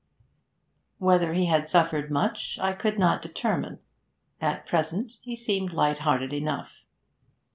Whether he had suffered much, I could not determine; at present he seemed light hearted enough.